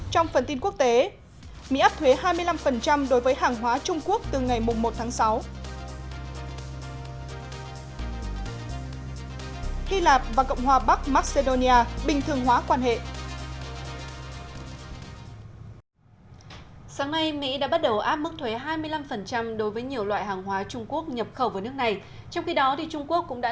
trong phần tin quốc tế mỹ áp thuế hai mươi năm đối với hàng hóa trung quốc từ ngày một tháng sáu